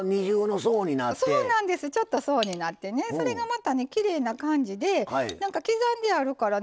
そうなんですちょっと層になってそれがまたきれいな感じで刻んであるからね